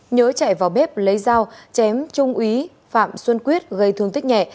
nhớ chạy vào bếp lấy rau chém trung úy phạm xuân quyết gây thương tích nhẹ